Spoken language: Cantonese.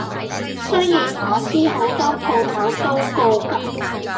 雖然我知好多鋪頭都告急